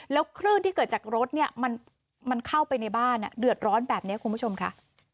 แล้วคลื่นที่เกิดจากรถเนี่ยมันเข้าไปในบ้านเดือดร้อนแบบนี้คุณผู้ชมค่ะ